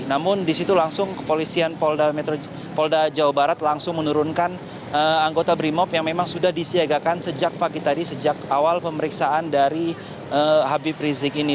namun di situ langsung kepolisian polda jawa barat langsung menurunkan anggota brimop yang memang sudah disiagakan sejak pagi tadi sejak awal pemeriksaan dari habib rizik ini